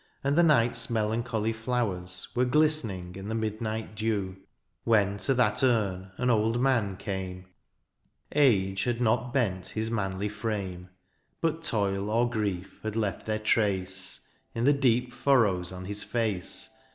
And the night's melancholy flowers Were gUstening in the midnight dew :— When to that urn an old man came. Age had not bent his manly frame. But toil or grief had left their trace. In the deep furrows on his face.